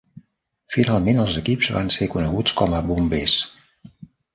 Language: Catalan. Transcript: Finalment, els equips van ser coneguts com a Bombers.